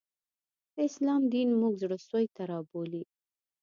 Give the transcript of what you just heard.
د اسلام دین موږ زړه سوي ته رابولي